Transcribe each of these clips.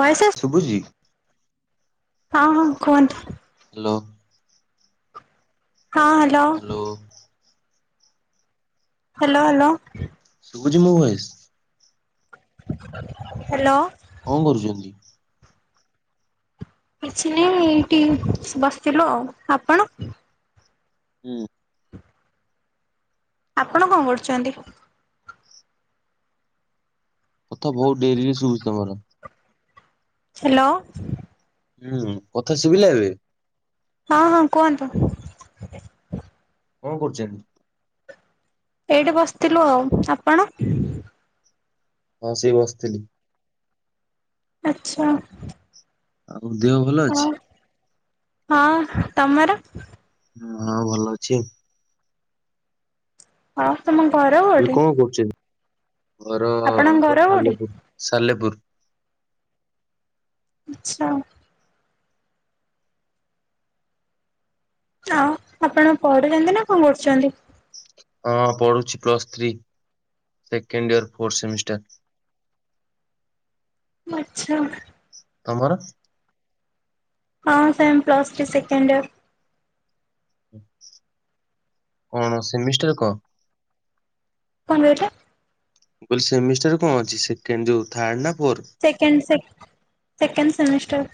ବୟସ ସୁବୁଚି। ହଁ ହଁ କୁହ ହ୍ୟାଲୋ। ହଁ। ହ୍ୟାଲୋ। ହ୍ୟାଲୋ। ଶୁଭୁଛି ମୁଁ ଭଏସ୍। ହ୍ୟାଲୋ। କଣ କରୁଚୁ? କିଛି ନାଇଁ ଏଇଠି ବସିଥିଲୁ ଆଉ ଆପଣ ହୁଁ। ଆପଣ କଣ କରୁଛନ୍ତି? କଥା ବହୁତ ଡେରି ରେ ଶୋଉଚି ତମର। ହ୍ୟାଲୋ। ହୁଁ କଥା ଶୁଭିଲା ଏବେ? ହଁ ହଁ କୁହନ୍ତୁ। କଣ କରୁଛନ୍ତି? ଏଇଠି ବସିଥିଲୁ ଆଉ ଆପଣ? ହଁ ସେ ବସିଥିଲି। ଆଚ୍ଛା। ଆଉ ଦେହ ଭଲ ହଁ ଅଛି? ହଁ ତମ ହଁ ଭଲ ଅଛି। ହଁ ତୁମ ଘର କୋଉଠି? କହୁଚି ଘର ଆପଣଙ୍କ ଘର ଆମର କୋଉଠି? ସାଲେପୁର ସାଲେପୁର। ଆଚ୍ଛା। ଆଉ ଆପଣ ପଢୁଚନ୍ତି, ନା କଣ କରୁଚନ୍ତି? ହଁ ପଢୁଚି plus three second year fourth semester. ଆଛା। ତମର? ହଁ same plus three second year. କଣ ସେମିଷ୍ଟାର କଁ? କଣ ଦେଖିଆ [unintelligible] ମୁଁ କହିଲ ସେମିଷ୍ଟାର କଣ ଅଛି, ସେକେଣ୍ଡ ଯୋଉ ଥାର୍ଡ ନା four. Second sec second semester.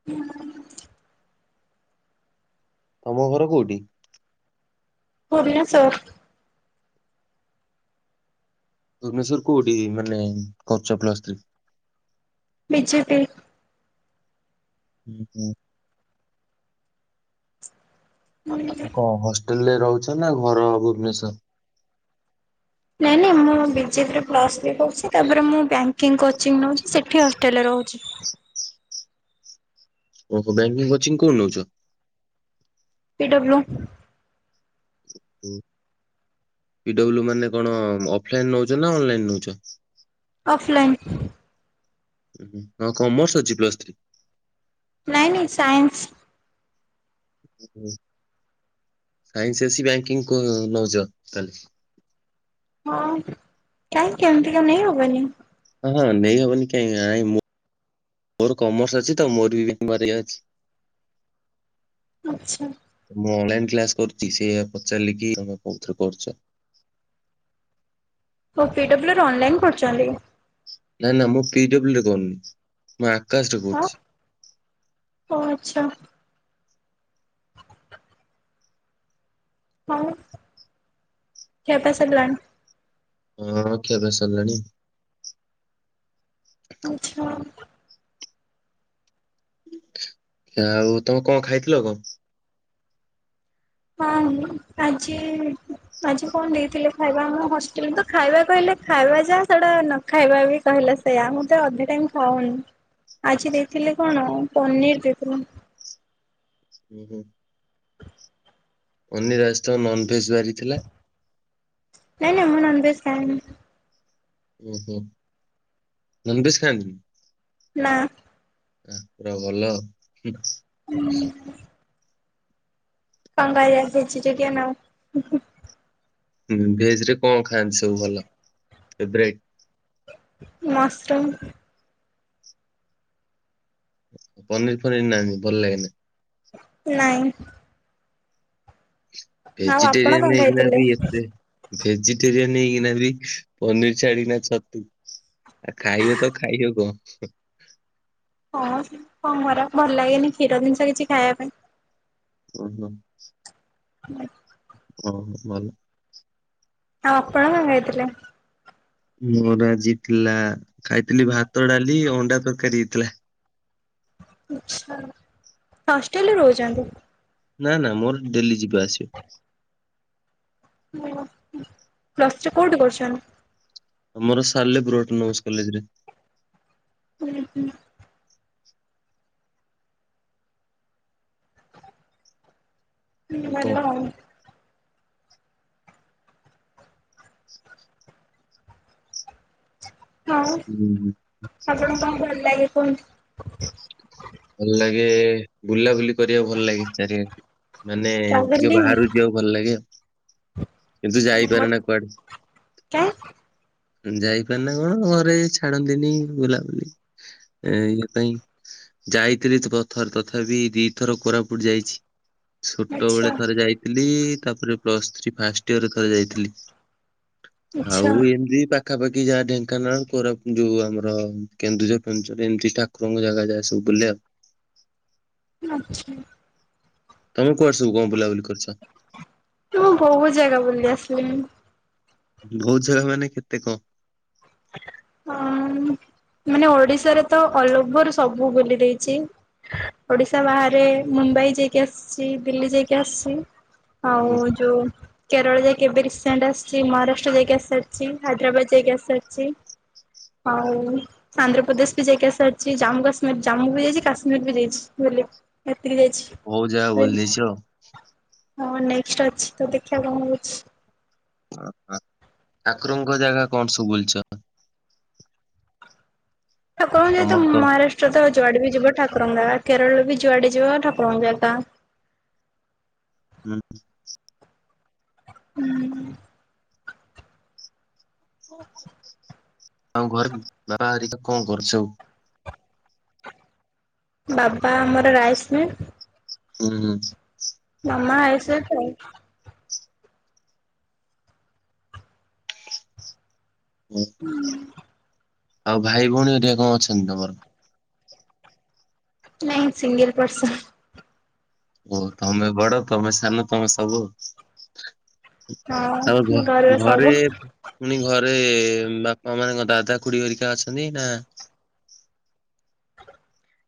ହ [inaudible] ତମ ଘର କୋଉଠି? ଭୁବନେଶ୍ୱର। ଭୁବନେଶ୍ୱର୍ ର କୋଉଠି ମାନେ କରୁଚ ପ୍ଲସ୍ଥ୍ରି। ବିଜେପି। ହୁଁ ହୁଁ। କଣ ହଷ୍ଟେଲରେ ରହୁଛ ନା ଘର ଭୁବନେଶ୍ଵର? ନାଇଁ ନାଇଁ ମୁଁ ବିଜେବିରେ ପ୍ଲସ୍ ଥ୍ରି କରୁଛି, ତାପରେ ମୁଁ ବ୍ୟାଙ୍କିଙ୍ଗ କୋଚିଂ ନେଉଚି ସେଠି ହଷ୍ଟେଲରେ ରହୁଛି। ଓହୋ ବ୍ୟାଙ୍କିଙ୍ଗ କୋଚିଂ କୋଉଠୀ ନଉଚ? ପିଡବ୍ଲୁ। ପିଡବ୍ଲୁ ମାନେ କଣ ଅଫଲାଇନ ନଉଚ ନା ଅନଲାଇନ ନଉଚ? Of line. ଉହୁଁ ହଁ କମର୍ସ ଅଛି ପ୍ଲସ୍ ଥ୍ରୀ। ନାଇଁ ନାଇଁ ସାଇନ୍ସ। ସାଇନ୍ସ ଅଛି, ବ୍ୟାଙ୍କିଙ୍ଗ କ ନଉଛ ତାହେଲେ। ହଁ କାଇଁ କେମତିକା ନେଇ ହବନି। ହଁ ନେଇ ହବନି କାଇଁ ମୁଁ ମୋର କମର୍ସ ଅଛି ତ, ମୋର ବି [unintelligible] ଅଛି। ଆଛା। ମୁଁ ଅନଲାଇନ କ୍ଲାସ କରୁଛି, ସେୟା ପଚାରିଲି କି ତମେ କୋଉଥିରେ କରୁଛ। ଓ ପିଡବ୍ଲ୍ୟୁ ର ଅନଲାଇନ୍ କରୁଚନ୍ତି। ନାଁ ନାଁ ମୁଁ ପିଡବ୍ଲୁ ରେ କରୁନି, ମୁଁ ଆକାଶ ରେ ହଁ କରୁଛି। ଓ ଆଚ୍ଛା। ଆଉ ଖିଆପିଆ ସରିଲାଣି? ହୁଁ ଖିଆପିଆ ସରିଲାଣି। ଆଛା। ଆଉ ତମେ କଣ ଖାଇଥିଲ କଣ? ହଁ ଆଜିି ଆଜି କଣ ଦେଇଥିଲେ, ଖାଇବା ହଷ୍ଟେଲ ତ ଖାଇବା କହିଲେ ଖାଇବା ଯା ସେଟା ନ ଖାଇବା ବି କହିଲା ସେୟା ମୁଁତ ଅଧେ ଟାଇମ ଖାଉନି, ଆଜି ଦେଇଥିଲେ କଣ ପନିର ଦେଇଥିଲେ। ହୁଁ ହୁଁ। ଓନି ରାଜ ତ ନନ୍ ଭେଜ ବାରି ଥିଲା। ନାଇଁ ନାଁଇଁ ମୁଁ ନନଭେଜ୍ ଖାଏନି। ଉଁ ହୁଁ ନନଭେଜ୍ ଖାଆନ୍ତିନି। ନାଁ। ଆ ପୁରା ଭଲ ହୁଁ। ହୁଁ ଉଁ। କଣ କରିବା ଭେଜି ଟେରିଆନ ଆଉ। ହୁଁ ଭେଜ ରେ କଣ ଖାଆନ୍ତି ସବୁ ଭଲ ଫେବେରାଇଟ। ମଶ୍ରୁମ୍। ପନିର୍ ଫନିର ନା ନ ଭଲ ଲାଗେନି। ନାଇଁ। ଆଉ ଆପଣ ଭେଜିଟେରିୟାନ କଣ ହେଇକିନା ଖାଇଥିଲେ? ବି ଏତେ ଭେଜିଟେରିୟନ ହେଇକିନା ବି ପନିର ଛାଡିକିନା ଛତୁ। ଆ ଖାଇବେ ତ ଖାଇବ କଣ। ହଁ ସେମି କଣ କରା ଭଲ ଲାଗେନି କ୍ଷୀର ଜିନିଷ କିଛି ଖାଇବା ପାଇଁ। ଓ ହୋ। ହୁଁ। ହଁ ଭଲ। ଆଉ ଆପଣ ଖାଇଥିଲେ। ମୋର ଆଜି ହେଥିଲା ଖାଇଥିଲି ଭାତ ଡାଲି ଅଣ୍ଡା ତରକାରୀ ହେଇଥିଲା। ଆଛା ହଷ୍ଟେଲରେ ରହୁଛନ୍ତି। ନା ନା ମୋର ଡେଲି ଯିବା ଆସିବା। ଓଃ ପ୍ଲସ ଟୁ କୋଉଠି କରୁଚନ୍ତି। ଆମର ସାଲେପୁର୍ ଅଟୋନମସ କଲେଜ ରେ। ଓ ହ। ହୁଁ ଭଲ ଆଉ। ଆଉ ହୁଁ ଆପଣଙ୍କୁ କଣ ଭଲ ଲାଗେ କୁହନ୍ତୁ। ଭଲ ଲାଗେ ବୁଲାବୁଲି କରିବାକୁ ଭଲ ଲାଗେ ଚାରିଆଡେ ମାନେ ଟିକେ ଟ୍ରାଭେଲିଂ ବାହାରୁକୁ ଯିବାକୁ ଭଲ ଲାଗେ କିନ୍ତୁ ଯାଇପାରୁନା କୁଆଡେ। କାଇଁ। ଯାଇପାରେ ନା କଣ ଘରେ ଛାଡନ୍ତିନି ବୁଲାବୁଲି ଏ ଇଏ ପାଇଁ। ଯାଇଥିଲି ପ ଥର ତଥାପି ଦିଥର କୋରାପୁଟ ଯାଇଛି ଛୋଟ ବେଳେ ଥରେ ଆଚ୍ଛା ଯାଇ ଥିଲି ତାପରେ ପ୍ଲସ୍ ଥ୍ରୀ ଫାଷ୍ଟ ଇଅରରେ ଥରେ ଯାଇଥିଲି। ଆଉ ଏମିତି ପାଖ ପାଖାପାଖି ଯାହା ଢେଙ୍କାନାଳ କୋରାପ ଯୋଉ ଆମର କେନ୍ଦୁଝର ଫେନ୍ଦୁଝର ଏମିତି ଠାକୁରଙ୍କ ଜାଗା ଯାହା ସବୁ। ବୁଲିବା ଆଚ୍ଛା। ତମେ କୁଆଡେ ସବୁ କଣ ବୁଲାବୁଲି କରିଚ। ମୁଁ ବହୁତ ଜାଗା ବୁଲି ଆସିଲିଣି। ବହୁତ ଜାଗା ମାନେ କେତେ କଣ। ଅଁ [inaudible] ମାନେ ଓଡିଶାରେ ତ ଅଲଓଭର ସବୁ ବୁଲି ଦେଇଚି। ଓଡିଶା ବାହାରେ ମୁମ୍ବାଇ ଯାଇକି ଆସିଚି ଦିଲ୍ଲୀ ଯାଇକି ଆସିଚି। ଆଉ ହୁଁ ଯୋଉ କେରଳ ଯାଇକି ଏବେ ରିସେଣ୍ଟ ଆସିଚି ମହାରାଷ୍ଟ୍ର ଯାଇକି ଆସାରିଚି ହାଇଦ୍ରାବାଦ ଯାଇକି ଆସାରିଚି। ଆଉ ଆନ୍ଧ୍ରପ୍ରଦେଶ ବି ଯାଇକି ଆସିସାରିଚି ଜାମ୍ମୁ କାଶ୍ମୀର ଜାମୁ ବି ଯାଇଚି କାଶ୍ମୀର ବି ଯାଇଚି ବୁଲି। ଏତିକି ଯାଇଛି ବହୁତ ଜାଗା ବୁଲି କଇଲି। ଦେଇଛ ଆଉ। ହଁ ନେକ୍ସଟ ଅଛି ତ ଦେଖିବା କଣ ହଉଚି। ଓହ ଠାକୁରଙ୍କ ଜାଗା କଣ ସବୁ ବୁଲିଚ। ଠାକୁରଙ୍କ ଜାଗା ତ ମହାରାସ୍ ଷ୍ଟ୍ର ତ ଯୁଆଡେ ବି ଯିବ ଠାକୁରଙ୍କ ଜାଗା କେରଳ ବି ଯୁଆଡେ ଯିବ ଠାକୁରଙ୍କ ଜାଗା। ହୁଁ। ହୁଁ। ଆଉ ଘରେ ବାହାରିକା କଣ କରନ୍ତି ସବୁ। ବାବା ଆମର ରାଇସ୍ ମିଲ୍। ହୁଁ। ମାମା ହାଉସ୍ ୱାଇଫି ଆଉ। ହୁଁ। ହଁ। ଆଉ ଭାଇ ଭଉଣୀ ହରିକା କଣ ଅଛନ୍ତି ତମର। ନାଇ ସିଙ୍ଗଲ ପର୍ସନ। ଓ ତମେ ବଡ ତମେ ସାନ ତମେ ସବୁ। [unintelligible] ହଁ ଘରର ଘ ସବୁ ଘରେ ପୁଣି ଘରେ ବାପା ମାନେଙ୍କ ଦାଦା ଖୁଡ଼ି ହେରିକା ଅଛନ୍ତି ନା?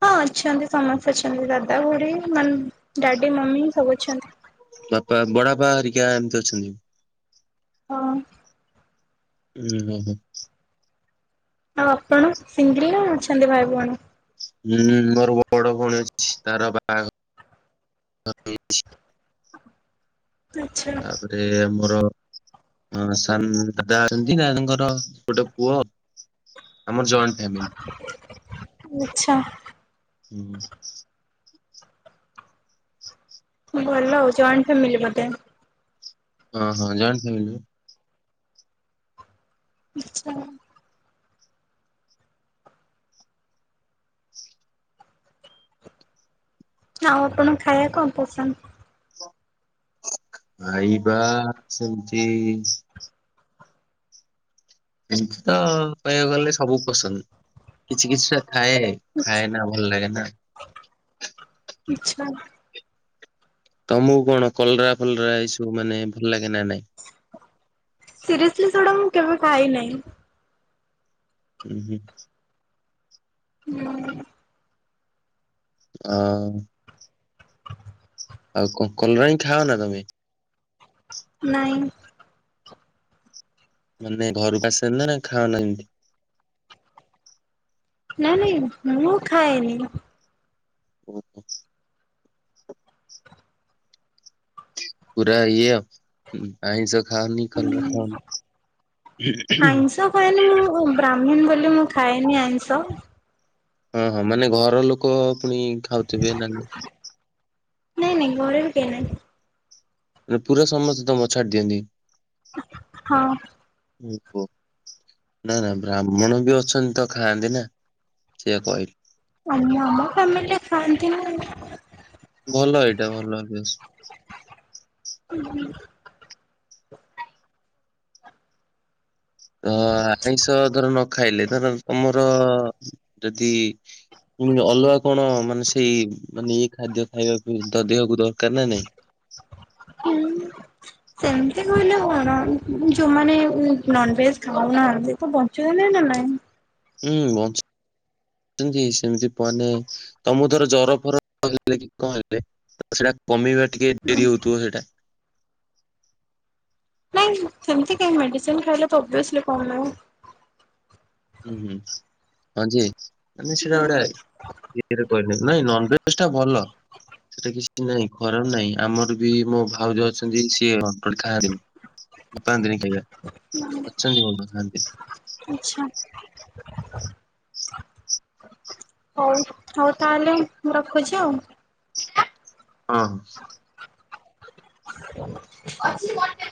ହଁ ଅଛନ୍ତି ସମସ୍ତେ ଅଛନ୍ତି ଦାଦା ଖୁଡି ମାନେ ଡାଡି ମମି ସବୁ ଅଛନ୍ତି। ବାପା ବଡାପା ହରିକା ଏମିତି ଅଛନ୍ତି। ହଁ। ଉୁଁ ହୁଁ ହୁଁ। ଆଉ ଆପଣ ସିଙ୍ଗିଲ ନା ଅଛନ୍ତି ଭାଇ ଭଉଣୀ। ହୁଁ ମୋର ବଡ ଭଉଣୀ ଅଛି ତାର ବାହାଘର। [unintelligible] ଆଚ୍ଛା। ଏ ମୋର। ହଁ ସାନ ଦାଦା ଅଛନ୍ତି ନା ଦାଦାଙ୍କର ଗୋଟେ ପୁଅ। ଆମର ଜଏଣ୍ଟ ଫ୍ୟାମିଲି। ଓ ଆଚ୍ଛା। ହୁଁ। ଭଲ ଆଉ ଜଏଣ୍ଟ ଫ୍ୟାମିଲି ବୋଧେ। ହଁ ହଁ ଜଏଣ୍ଟ ଫାମିଲିପା। ଆଛା। ଆଉ ଆପଣ ଖାଇବା କଣ ପସନ୍ଦ? ଖାଇବା ସେମତି ଏମିତି ତ କହିବାକୁ ଗଲେ ସବୁ ପସନ୍ଦ କିଛି କିଛି ଟା ଥାଏ ଖାଏ ନା ଭଲ ଲାଗେ ନା। ଇଛା। ତମକୁ କଣ କଲରା ଫଲରା ଏଇସବୁ ମାନେ ଭଲ ଲାଗେ ନା ନାଇଁ? ସିରିୟସଲି ସେଗୁଡା ମୁଁ କେବେ ଖାଇ ନାହିଁ। ଉଁହୁଁ। ହୁଁ। ଆ ଆଉ କଣ କଲରାବି ଖାଅନା ତମେ? ନାଇଁ। ମାନେ ଘରୁକୁ ଆସେନିନା ଏରା ଖାଅନା ଏମିତି? ନାଇଁ ନାଇଁ ମୁଁ ଖାଏନି। ଓ ହୋ ପୁରା ଇଏ ଆଉ ହୁ ଉ ଆଇଁଷ ଖାଅନି କଲର ଖାଅନି। ଆଇଁଷ ଖାଏନି ମୁଁ ବ୍ରାହ୍ମୀଣ ବୋଲି ମୁଁ ଖାଏନି ଆଇଁଷ। ଓ ହଁ ମାନେ ଘର ଲୋକ ପୁଣି ଖାଉଥିବେନା ନା ନାଇଁ ନାଇଁ ଘରେ ବି କେଇ ନାଇଁ। ମାନେ ପୁରା ସମସ୍ତେ ତମ ଛାଡ଼ି ଦିଅନ୍ତି। ହଁ। ହୁଁ ହ। ନା ନା ବ୍ରାହ୍ମଣ ବି ଅଛନ୍ତି ତ ଖାଆନ୍ତି ନା ସେଆ କହିଲି। ଆମ ଆମ ଫ୍ୟାମିଲ ରେ ଖାନ୍ତିନି। ଭଲ ଏଇଟା ଭଲ ଅଭ୍ୟାସ। ଉ ହୁ ତ ଆଇଁଷ ଧର ନ ଖାଇଲେ ଧର ତମର ଯଦି ପୁଣି ବି ଅଲଗା କଣ ମାନେ ସେଇ ମାନେ ଇଏ ଖାଦ୍ୟ ଖାଇବାକୁଦ ଦେହକୁ ଦରକାର ନା ନାଇଁ। ହୁଁ ସେମିତି କହିଲେ କଣ ଯୋଉମାନେ ନନଭେଜ ଖାଉନାହାନ୍ତି ତ ଚନନଲାଇ ହୁଁ [unintelligible] ସେମତି ମାନେ ତମକୁ ଧର ଜର ଫର [unintelligible] କଣ ହେଲେ ସେଇଟା କମେଇବା ଟିକେ ଡେରି ହଉଥିବ ସେଇଟା। ନାଇଁ ସେମିତି କାଇହି ମେଡିସିନ ଖାଇଲେ ପବ୍ଲିସିଲ କଣ ଆଉ। ହୁଁ ହୁଁ ହଁ ଯେ ଆମେ ସେଟା ଗୋଟେ [unintelligible] କରୁ। ସେଥିପାଇଁ ନନଭେଜ ଟା ଭଲ। ସେଟା କିଛି ନାହିଁ ଖରାପ ନାହିଁ ଆମର ବି ମୋ ଭାଉଜ ଯୋଉ ଅଛନ୍ତି ସିଏ ଖାଆନ୍ତିନି। ପାଆନ୍ତିନି ଖାଇବା ଅଛନ୍ତି [unintelligible] ଆଚ୍ଛା। ହଉ ହଉ ତାହେଲେ ମୁଁ ରଖୁଛି ଆଉ। ହଁ ହଁ। ଅଛି